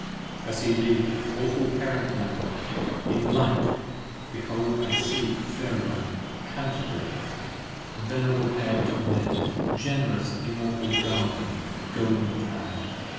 I see thee, awful Parent Land, in light, behold I see! 45 Verulam! Canterbury! venerable parent of men, ^Generous immortal Guardian golden clad!